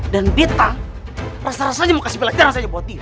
dan dita rasa rasanya mau kasih pelajaran saja buat d